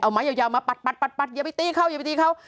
เอาไม้ยาวมาปัดอย่าไปตีเข้า